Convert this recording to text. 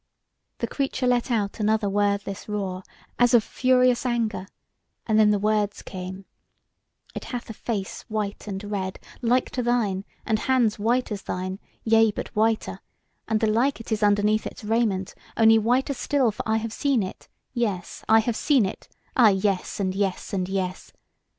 The creature let out another wordless roar as of furious anger; and then the words came: "It hath a face white and red, like to thine; and hands white as thine, yea, but whiter; and the like it is underneath its raiment, only whiter still: for I have seen It yes, I have seen It; ah yes and yes and yes."